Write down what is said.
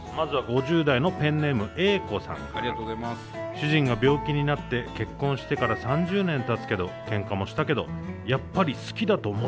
「主人が病気になって結婚してから３０年たつけどけんかもしたけどやっぱり好きだと思っちゃった」。